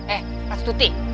eh pak stuti